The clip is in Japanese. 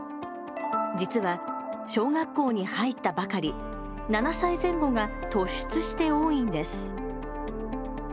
実は小学校に入ったばかり７歳前後が突出して多いんです。